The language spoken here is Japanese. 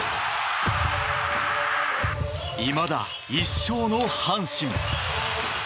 いまだ１勝の阪神。